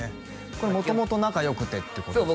これ元々仲良くてっていうことですか？